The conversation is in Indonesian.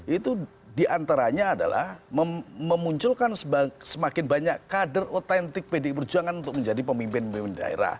itu diantaranya adalah memunculkan semakin banyak kader otentik pdi perjuangan untuk menjadi pemimpin pemimpin daerah